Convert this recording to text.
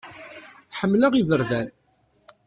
Ḥemmleɣ iberdan.